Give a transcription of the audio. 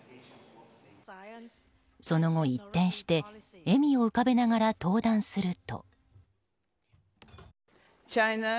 その後、一転して笑みを浮かべながら登壇すると。